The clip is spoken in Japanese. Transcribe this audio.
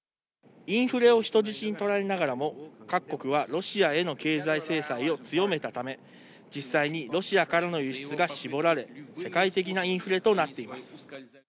インフレを人質に取られながらも、各国はロシアへの経済制裁を強めたため、実際に、ロシアからの輸出が絞られ、世界的なインフレとなっています。